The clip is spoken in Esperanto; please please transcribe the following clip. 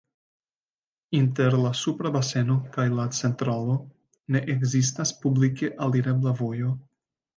Inter la supra baseno kaj la centralo ne ekzistas publike alirebla vojo.